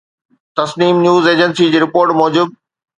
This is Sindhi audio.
تسنيم نيوز ايجنسي جي رپورٽ موجب